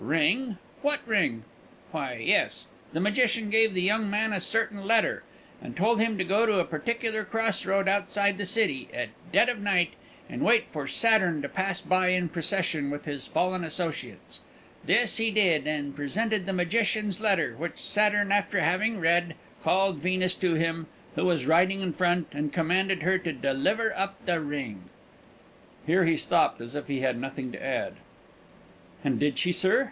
Ring! What ring? Why, yes; the magician gave the young man a certain letter, and told him to go to a particular cross road outside the city, at dead of night, and wait for Saturn to pass by in procession, with his fallen associates. This he did, and presented the magician's letter; which Saturn, after having read, called Venus to him, who was riding in front, and commanded her to deliver up the ring." Here he stopped, as if he had nothing to add. "And did she, sir?"